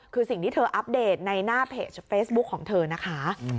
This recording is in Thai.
คือสิ่งที่เธออัปเดตในหน้าเพจเฟซบุ๊คของเธอนะคะ